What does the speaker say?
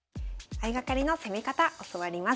相掛かりの攻め方教わります。